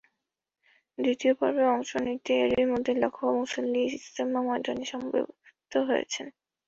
দ্বিতীয় পর্বে অংশ নিতে এরই মধ্যে লাখো মুসল্লি ইজতেমা ময়দানে সমবেত হয়েছেন।